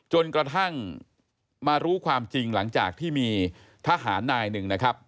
จนกระทั่งมารู้ความจริงหลังจากที่มีทหารนายหนึ่งนะครับ